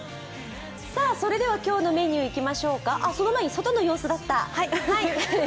それでは今日のメニューにいきましょうかあっ、外の様子でした！